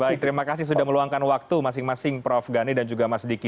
baik terima kasih sudah meluangkan waktu masing masing prof gani dan juga mas diki